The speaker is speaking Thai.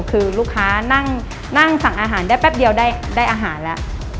คือลูกค้านั่งสั่งอาหารได้แป๊บเดียวได้อาหารแล้ว